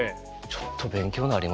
ちょっと勉強になりましたね。